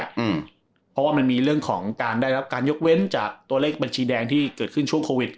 เพราะว่ามันมีเรื่องของการได้รับการยกเว้นจากตัวเลขบัญชีแดงที่เกิดขึ้นช่วงโควิด